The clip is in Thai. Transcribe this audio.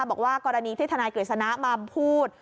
บอกว่ากรณีที่ทนายกฤษณะมาพูด